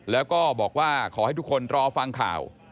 แล้วก็บอกว่าขอให้ทุกคนรอฟังข่าว